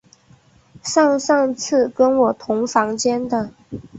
上上次跟我同房间的